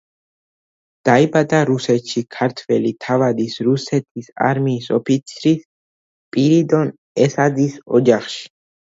დაიბადა რუსეთში, ქართველი თავადის, რუსეთის არმიის ოფიცრის სპირიდონ ესაძის ოჯახში.